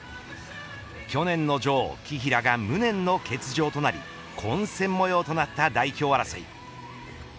去年の女王、紀平が無念の欠場となり混戦模様となった代表争い。